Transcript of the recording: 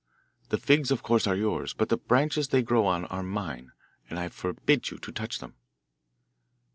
The figs of course are yours, but the branches they grow on are mine, and I forbid you to touch them.